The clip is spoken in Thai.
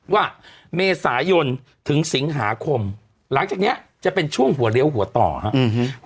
ว่าเมษายนถึงสิงหาคมหลังจากเนี้ยจะเป็นช่วงหัวเลี้ยวหัวต่อฮะอืม